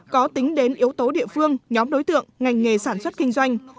có tính đến yếu tố địa phương nhóm đối tượng ngành nghề sản xuất kinh doanh